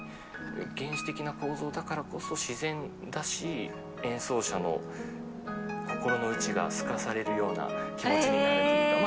原始的な構造だからこそ自然だし演奏者の心の内が透かされるような気持ちになるというか。